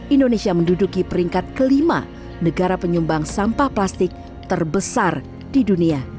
indonesia menduduki peringkat kelima negara penyumbang sampah plastik terbesar di dunia